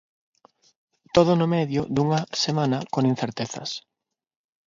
Todo no medio dunha semana con incertezas.